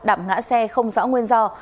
đạp ngã xe không rõ nguyên do